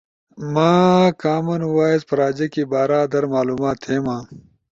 ما کامن وائس پراجیکے بارا در معلومات تھیما۔